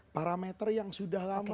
parameter yang sudah lama berlaku ya